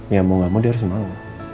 ya mau gak mau dia harus mau